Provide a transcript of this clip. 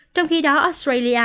trong khi đó australia